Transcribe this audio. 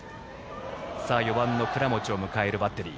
４番の倉持を迎えるバッテリー。